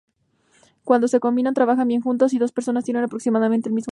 Cuando se combinan, trabajan bien juntos, si dos personas tienen aproximadamente el mismo pensar.